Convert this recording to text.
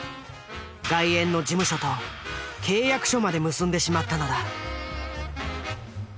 外苑の事務所と契約書まで結んでしまったのだ。